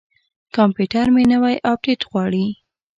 کمپیوټر مې نوی اپډیټ غواړي.